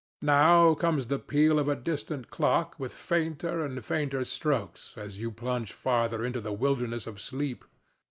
Now comes the peal of the distant clock with fainter and fainter strokes as you plunge farther into the wilderness of sleep.